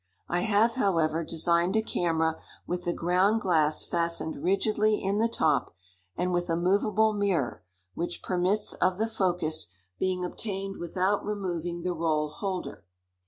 I have, however, designed a camera with the ground glass fastened rigidly in the top, and with a movable mirror which permits of the focus being obtained without removing the roll holder.